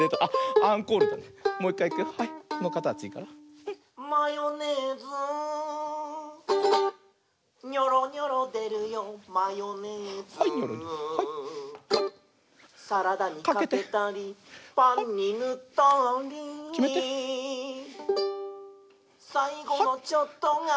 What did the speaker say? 「パンにぬったり」「さいごのちょっとが」